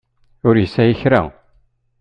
Ur yesɛi kra.